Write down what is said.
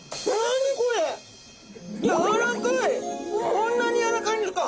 こんなにやわらかいんですか。